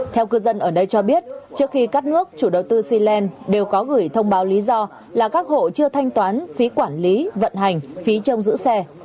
theo cư dân ở đây cho biết trước khi cắt nước chủ đầu tư cland đều có gửi thông báo lý do là các hộ chưa thanh toán phí quản lý vận hành phí trông giữ xe